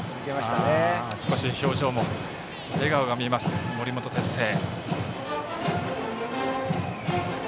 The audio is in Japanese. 少し表情も笑顔が見える森本哲星。